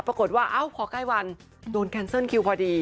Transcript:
ปรากฏว่าเอ้าพอใกล้วันโดนแคนเซิลคิวพอดี